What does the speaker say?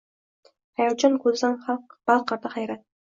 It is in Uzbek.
Xayolchan ko’zida balqirdi hayrat